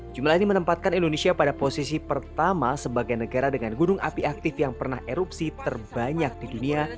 jumlah ini menempatkan indonesia pada posisi pertama sebagai negara dengan gunung api aktif yang pernah erupsi terbanyak di dunia